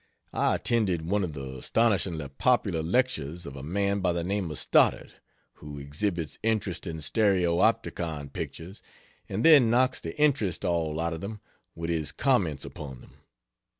I attended one of the astonishingly popular lectures of a man by the name of Stoddard, who exhibits interesting stereopticon pictures and then knocks the interest all out of them with his comments upon them.